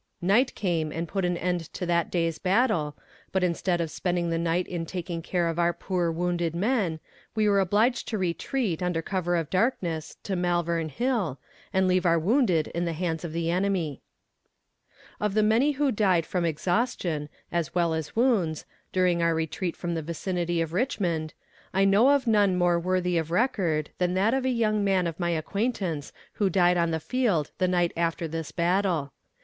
Night came and put an end to that day's battle, but instead of spending the night in taking care of our poor wounded men, we were obliged to retreat, under cover of darkness, to Malvern Hill, and leave our wounded in the hands of the enemy. Of the many who died from exhaustion, as well as wounds, during our retreat from the vicinity of Richmond, I know of none more worthy of record than that of a young man of my acquaintance who died on the field the night after this battle.